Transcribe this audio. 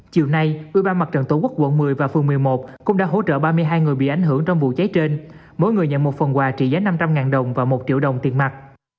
chiều nay ubnd tổ quốc quận một mươi và phường một mươi một cũng đã hỗ trợ ba mươi hai người bị ảnh hưởng trong vụ cháy trên mỗi người nhận một phần quà trị giá năm trăm linh đồng và một triệu đồng tiền mặt